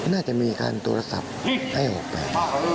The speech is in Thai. น่าจะมีการโทรศัพท์ให้ผมไป